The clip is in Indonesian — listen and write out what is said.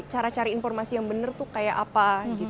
cara cari informasi yang benar tuh kayak apa gitu